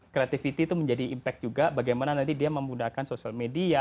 kreativiti itu menjadi impact juga bagaimana nanti dia memudahkan social media